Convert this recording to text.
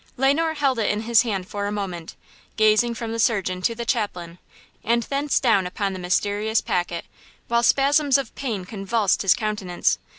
Le Noir held it in his hand for a moment, gazing from the surgeon to the chaplain, and thence down upon the mysterious packet, while spasms of pain convulsed his countenance.